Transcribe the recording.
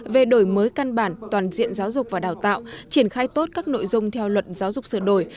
về đổi mới căn bản toàn diện giáo dục và đào tạo triển khai tốt các nội dung theo luật giáo dục sửa đổi